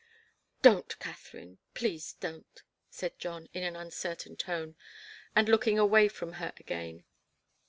"Don't, Katharine please don't," said John, in an uncertain tone, and looking away from her again.